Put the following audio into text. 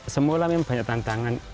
semula memang banyak tantangan